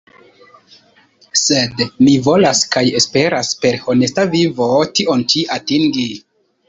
Sed mi volas kaj esperas per honesta vivo tion ĉi atingi.